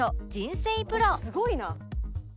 「すごいな」